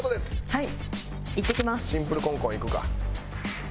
はい。